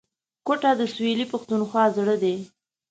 کوټه د سویلي پښتونخوا زړه دی